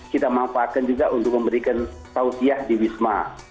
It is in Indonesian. kita memanfaatkan juga untuk memberikan tautiah di wisma